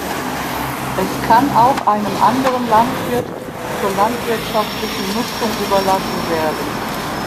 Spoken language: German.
Es kann auch einem anderen Landwirt zur landwirtschaftlichen Nutzung überlassen werden.